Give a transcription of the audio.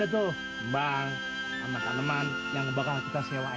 itu bang sama kaneman yang bakal kita sewa ini hati hati ngerti ngerti gue jangan dulu ya iya